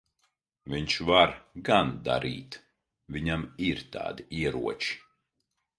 Viņš var gan darīt. Viņam ir tādi ieroči.